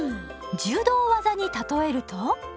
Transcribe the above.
柔道技に例えると？